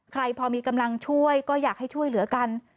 ใครพอมีกำลังช่วยก็อยากให้ช่วยเหลือกัน